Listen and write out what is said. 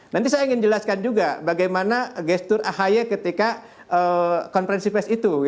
nanti saya ingin jelaskan juga bagaimana gestur ahy ketika konferensi fes itu gitu